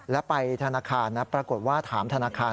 แล้วไปธนาคารนะปรากฏว่าถามธนาคาร